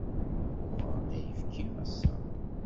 Uɣeɣ-d ayefki ass-a.